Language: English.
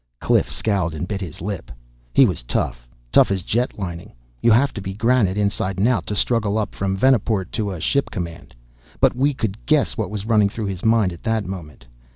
Cliff scowled and bit his lip. He was tough, tough as jet lining you have to be granite inside and out to struggle up from Venaport to a ship command. But we could guess what was running through his mind at that moment.